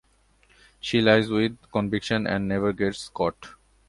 She lies with conviction and never gets caught.